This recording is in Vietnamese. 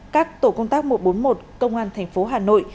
các tổ công tác một trăm bốn mươi một công an thành phố hà nội